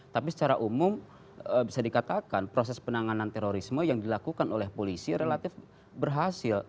tapi secara umum bisa dikatakan proses penanganan terorisme yang dilakukan oleh polisi relatif berhasil